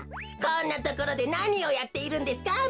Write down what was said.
こんなところでなにをやっているんですか？